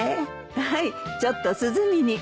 はいちょっと涼みに。